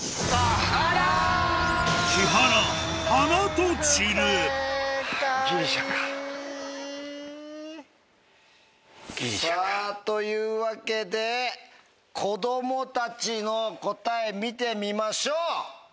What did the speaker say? さぁというわけで子供たちの答え見てみましょう！